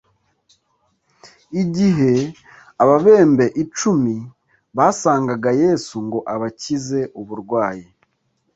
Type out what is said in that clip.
igihe ababembe icumi basangaga yesu ngo abakize uburwayi,